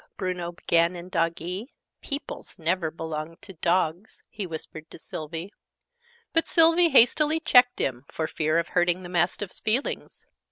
Bruno began, in Doggee. ("Peoples never belongs to Dogs!" he whispered to Sylvie.) But Sylvie hastily checked him, for fear of hurting the Mastiff's feelings.